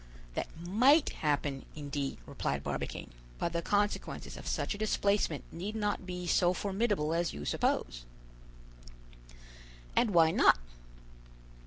"That might happen, indeed," replied Barbicane, "but the consequences of such a displacement need not be so formidable as you suppose." "And why not?"